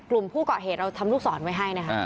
กลุ่มผู้ก่อเหตุเราทำลูกศรไว้ให้นะคะ